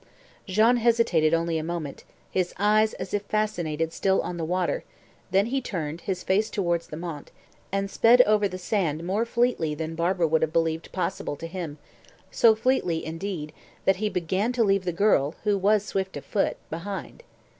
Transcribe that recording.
Jean hesitated only a moment, his eyes, as if fascinated, still on the water; then he turned his face towards the Mont, and sped over the sand more fleetly than Barbara would have believed possible to him so fleetly, indeed, that he began to leave the girl, who was swift of foot, behind.